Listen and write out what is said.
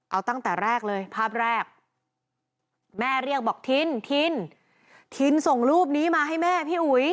เอาตั้งแต่แรกเลยภาพแรกแม่เรียกบอกทินทินทินส่งรูปนี้มาให้แม่พี่อุ๋ย